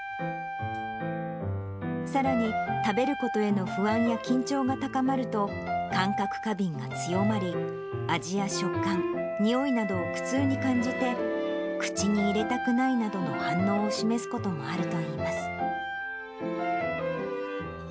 さらに食べることへの不安や緊張が高まると、感覚過敏が強まり、味や食感、においなどを苦痛に感じて、口に入れたくないなどの反応を示すこともあるといいます。